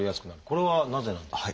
これはなぜなんでしょうか？